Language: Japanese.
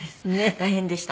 大変でした。